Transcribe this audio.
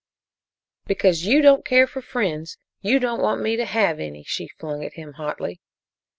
"Because you don't care for friends, you don't want me to have any!" she flung at him hotly.